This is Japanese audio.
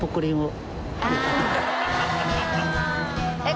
えっ？